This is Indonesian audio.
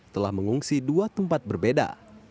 telah mengungsi dua tempat berbeda